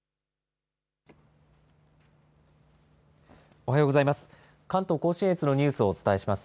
おはようございます。